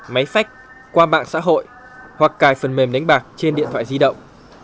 máy phách qua mạng xã hội hoặc cài phần mềm đánh bạc trên điện thoại di động